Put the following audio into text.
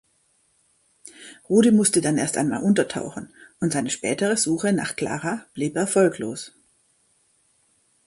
Rudi musste dann erst einmal untertauchen und seine spätere Suche nach Klara blieb erfolglos.